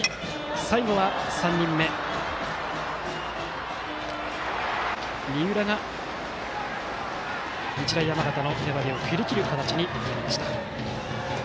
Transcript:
最後は３人目、三浦が日大山形の粘りを振り切る形になりました。